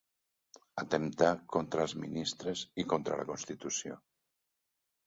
Atemptar contra els ministres i contra la constitució.